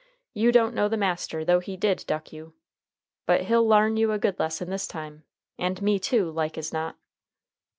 You don't know the master, though he did duck you. But he'll larn you a good lesson this time, and me too, like as not."